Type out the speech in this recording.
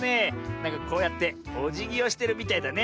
なんかこうやっておじぎをしてるみたいだね。